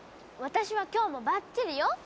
私は今日もバッチリよ。